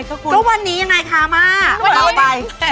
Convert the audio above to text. ก็วันนี้ไหนทำร่ำมา